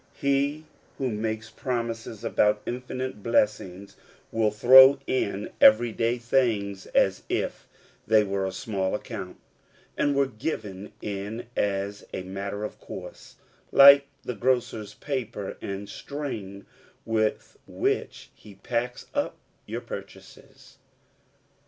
He who makes promises about infinite blessings will throw in every day things as if they were of small account, and were given in as a matter of course, like the grocer's paper and string with which he packs up our purchases.